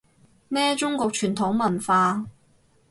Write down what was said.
咩中國傳統文化